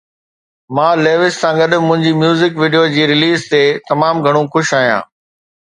مان ليوس سان گڏ منهنجي ميوزڪ ويڊيو جي رليز تي تمام گهڻو خوش آهيان